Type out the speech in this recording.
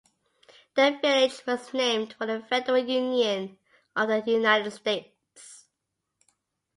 The village was named for the federal union of the United States.